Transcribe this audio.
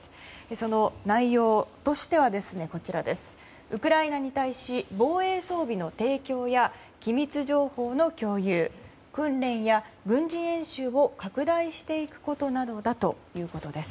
その内容としてはウクライナに対し防衛装備の提供や機密情報の共有訓練や軍事演習を拡大していくことなどだということです。